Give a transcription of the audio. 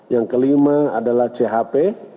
yang kelima adalah chp